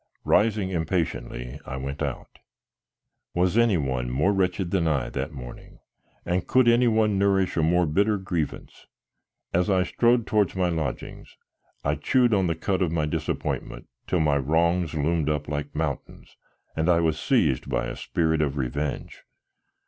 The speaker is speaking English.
Rising impatiently, I went out. Was any one more wretched than I that morning and could any one nourish a more bitter grievance? As I strode towards my lodgings I chewed the cud of my disappointment till my wrongs loomed up like mountains and I was seized by a spirit of revenge.